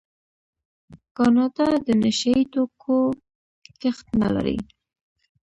کاناډا د نشه یي توکو کښت نلري.